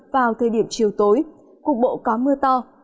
vào thời điểm chiều tối cục bộ có mưa to